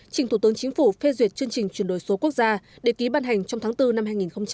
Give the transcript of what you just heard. trình thủ tướng chính phủ phê duyệt chương trình chuyển đổi số quốc gia để ký ban hành trong tháng bốn năm hai nghìn hai mươi